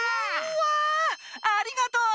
うわありがとう！